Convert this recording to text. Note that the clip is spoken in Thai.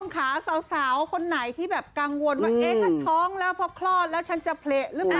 ขาสาวคนไหนที่แบบกังวลว่าเอ๊ะถ้าท้องแล้วพอคลอดแล้วฉันจะเละหรือเปล่า